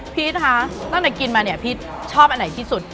พี่ฮะตั้งแต่กินมาพี่ชอบอะไรที่สุด